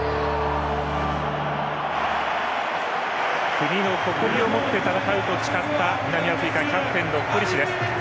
国の誇りを持って戦うと誓った、南アフリカキャプテンのコリシです。